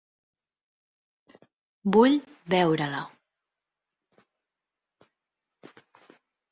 Vull veure-la.